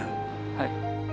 はい。